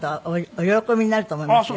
お喜びになると思いますよ。